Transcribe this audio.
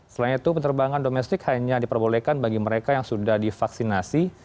selain itu penerbangan domestik hanya diperbolehkan bagi mereka yang sudah divaksinasi